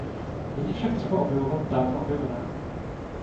Není však třeba objevovat dávno objevené.